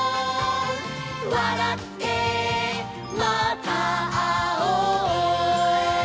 「わらってまたあおう」